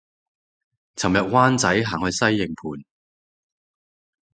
琴日灣仔行去西營盤